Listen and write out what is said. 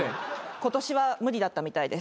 今年は無理だったみたいです。